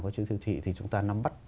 của các chuỗi siêu thị thì chúng ta nắm bắt